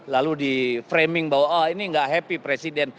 lalu di framing bahwa oh ini nggak happy presiden